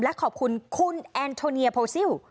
และขอบคุณคุณแอนโทเนียโพซิล